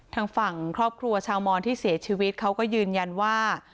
ทางฝั่งครอบครัวชาวมอนที่เสียชีวิตเขาก็ยืนยันว่า